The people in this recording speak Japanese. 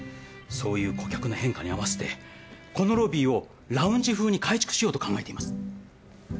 そういう顧客の変化に合わせてこのロビーをラウンジふうに改築しようと考えています。